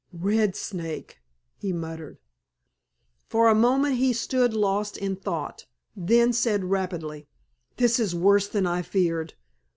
"Red Snake!" he muttered. For a moment he stood lost in thought, then said rapidly: "This is worse than I feared.